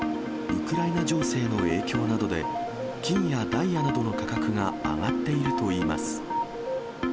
ウクライナ情勢の影響などで、金やダイヤなどの価格が上がっているといいます。